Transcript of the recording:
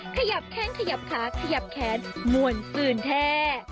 ขยับแข้งขยับขาขยับแขนมวลปืนแท้